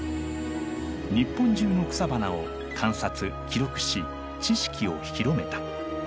日本中の草花を観察記録し知識を広めた。